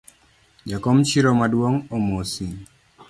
Jakom chiro maduong’ omosi